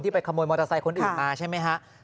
ไปขโมยมอเตอร์ไซค์คนอื่นมาใช่ไหมฮะ